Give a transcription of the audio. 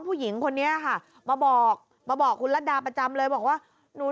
ผู้หญิงคนนี้ค่ะมาบอกมาบอกคุณรัฐดาประจำเลยบอกว่าหนู